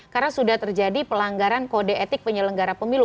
karena sudah terjadi pelanggaran kode etik penyelenggara pemilu